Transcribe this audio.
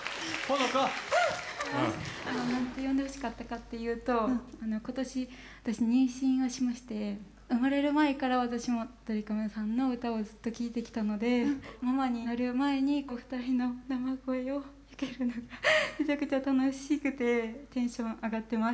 何で呼んでほしかったかっていうと今年私妊娠をしまして生まれる前から私もドリカムさんの歌をずっと聴いてきたのでママになる前に２人の生声を聴けるのがめちゃくちゃ楽しくてテンション上がってます。